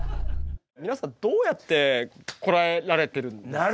皆さんどうやってこらえられてるんですか？